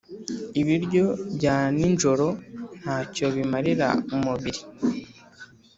Ibiryo byaninjoro ntacyo bimarira umubiri